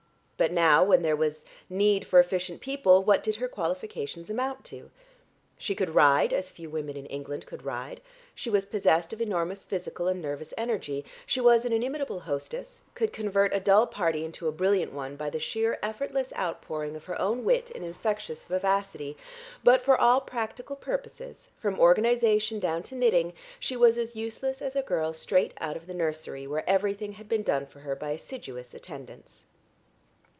But now, when there was need for efficient people, what did her qualifications amount to? She could ride, as few women in England could ride, she was possessed of enormous physical and nervous energy, she was an inimitable hostess, could convert a dull party into a brilliant one by the sheer effortless out pouring of her own wit and infectious vivacity, but for all practical purposes from organisation down to knitting, she was as useless as a girl straight out of the nursery where everything had been done for her by assiduous attendants.